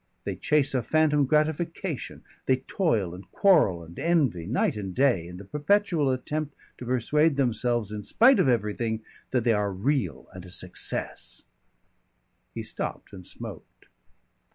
They chase a phantom gratification, they toil and quarrel and envy, night and day, in the perpetual attempt to persuade themselves in spite of everything that they are real and a success " He stopped and smoked.